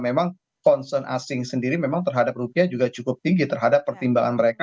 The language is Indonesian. memang concern asing sendiri memang terhadap rupiah juga cukup tinggi terhadap pertimbangan mereka